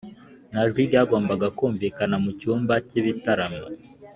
nta jwi ryagombaga kumvikana mu cyumba cy'ibitaramo.